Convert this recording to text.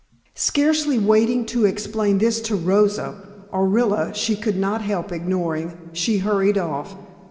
Scarcely waiting to explain this to Rosa Orilla she could not help ignoring she hurried off.